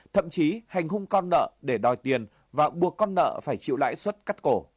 thậm chí hành hung con nợ để đòi tiền và buộc con nợ phải chịu lãi suất cắt cổ